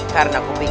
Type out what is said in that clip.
karena aku pikir